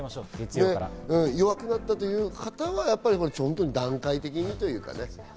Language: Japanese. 弱くなったという方は段階的にということですね。